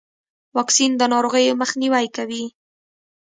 واکسین د ناروغیو مخنیوی کوي.